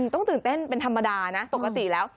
ต้องตื่นเต้นเป็นธรรมดานะปกติแล้ว